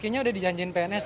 kayaknya udah dijanjikan pbsi